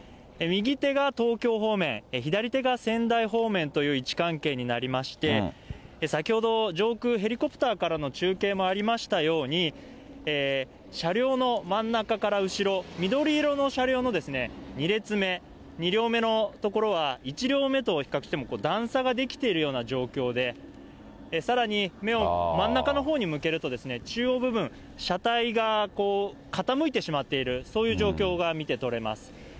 右手が東京方面、左手が仙台方面という位置関係になりまして、先ほど上空ヘリコプターからの中継もありましたように、車両の真ん中から後ろ、緑色の車両の２列目、２両目の所は、１両目と比較しても、段差が出来ているような状況で、さらに、目を真ん中のほうに向けると中央部分、車体が傾いてしまっている、そういう状況が見て取れます。